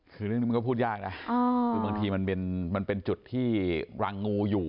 คือเรื่องนี้มันก็พูดยากนะคือบางทีมันเป็นจุดที่รังงูอยู่